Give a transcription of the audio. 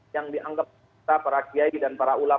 yang dianggap kita para kiai dan para ulama